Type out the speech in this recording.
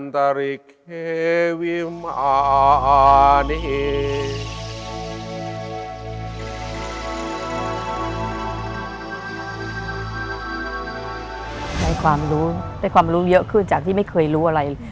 ได้ความรู้เยอะขึ้นจากที่ไม่เคยรู้อะไร